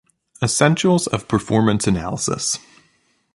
Essentials of Performance Analysis.